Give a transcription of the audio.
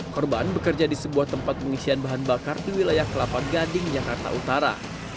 korban bekerja di sebuah tempat pengisian bahan bakar di wilayah kelapa gading jakarta utara